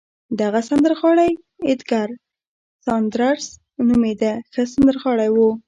دغه سندرغاړی اېدګر ساندرز نومېده، ښه سندرغاړی و.